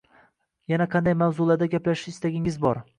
Yana qanday mavzularda gaplashish istagingiz bor?